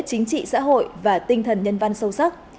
chính trị xã hội và tinh thần nhân văn sâu sắc